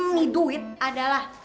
nih duit adalah